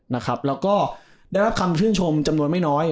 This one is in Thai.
แล้วก็ได้รับคำชื่นชมจำนวนไม่น้อย